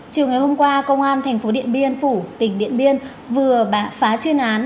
chiều ngày hôm qua công an tp điện biên phủ tỉnh điện biên vừa phá chuyên án